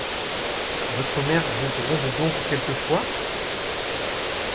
Votre mère vous gronde donc quelquefois?